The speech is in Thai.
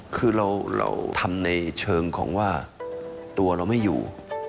คือเราทำในเชิงของว่าตัวเราไม่อยู่